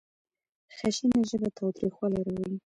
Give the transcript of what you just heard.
خشنه ژبه تاوتريخوالی راولي.